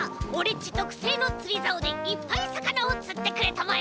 ちとくせいのつりざおでいっぱいさかなをつってくれたまえ！